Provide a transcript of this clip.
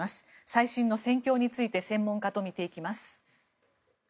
最新の戦況について専門家と見ていきます。